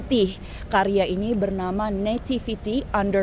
tapi ini adalah realitinya